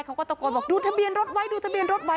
เขาก็ตะโกนบอกดูทะเบียนรถไว้ดูทะเบียนรถไว้